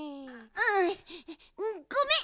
ううん。ごめん！